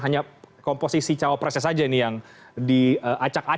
hanya komposisi capresnya saja ini yang di pengalaman